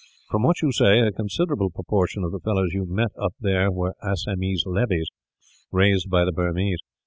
From what you say, a considerable proportion of the fellows you met up there were Assamese levies, raised by the Burmese.